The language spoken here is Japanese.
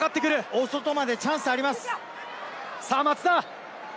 大外までチャンスはあります。